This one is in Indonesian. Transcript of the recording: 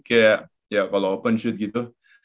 kayak ya kalau open shoot gitu